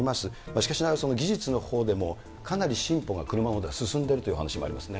しかしながらその技術のほうでも、かなり進歩が、車のほうで進んでるという話もありますね。